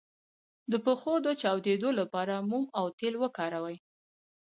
د پښو د چاودیدو لپاره موم او تېل وکاروئ